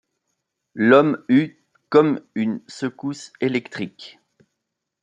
L’homme eut comme une secousse électrique.